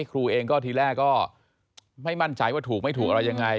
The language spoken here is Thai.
ครูเองก็ทีแรกก็ไม่มั่นใจว่าถูกไม่ถูกอะไรยังไง